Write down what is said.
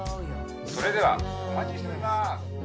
☎それではお待ちしております。